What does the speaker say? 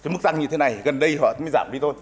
mức răng như thế này gần đây họ mới giảm đi thôi